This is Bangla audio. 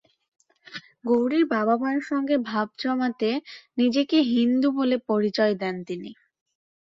গৌরীর বাবা-মায়ের সঙ্গে ভাব জমাতে নিজেকে হিন্দু বলে পরিচয় দেন তিনি।